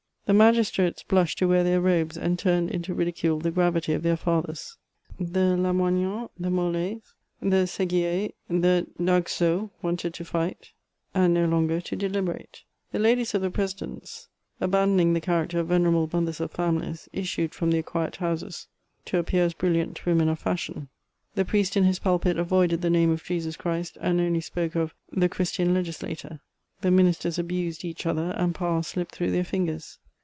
The magistrates blushed to wear their robes, and turned into ridicule the gravity of their fathers. The Lamoignons, the Moles, the Seguiers, the d'Aguesseaus, wanted to fight, and no longer to deliberate. The ladies of the presidents, abandoning the character of VOL. I. o 186 MEMOIRS OF venerable mothers of families, issued from their quiet houses, to appear as brilliant women of fashion. The priest in his pulpit avoided the name of Jesus Christ, and only spoke of '* the Christian Legislator " the ministers abused each other, and power slipped through their fingers.